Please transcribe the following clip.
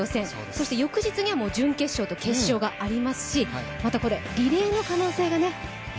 そして翌日には準決勝と決勝がありますし、また、リレーの可能性がね。